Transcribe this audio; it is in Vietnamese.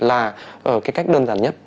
là cái cách đơn giản nhất